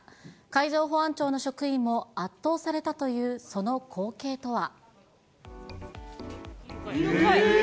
海上保安庁の職員も、圧倒されたというその光景とは。